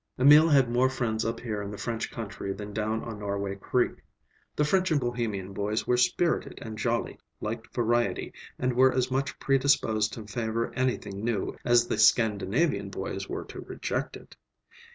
Emil had more friends up here in the French country than down on Norway Creek. The French and Bohemian boys were spirited and jolly, liked variety, and were as much predisposed to favor anything new as the Scandinavian boys were to reject it.